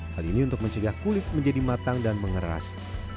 hal ini untuk mencegah kulit menjadi matang dan mengeras